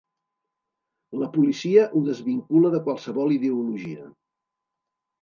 La policia ho desvincula de qualsevol ideologia.